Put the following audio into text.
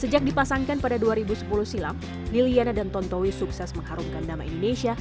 sejak dipasangkan pada dua ribu sepuluh silam liliana dan tontowi sukses mengharumkan nama indonesia